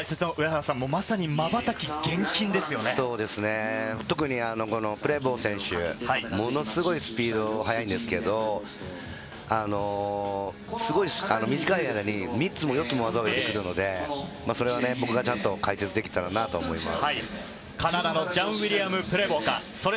解説の上原さんも特にプレボー選手、ものすごいスピードが速いんですけど、すごい短い間に３つも４つも技を入れてくるので、それを僕がちゃんと解説できたらなと思います。